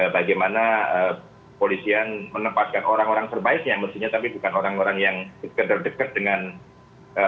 bagaimana polisian menempatkan orang orang terbaiknya mestinya tapi bukan orang orang yang sekedar dekat dengan masyarakat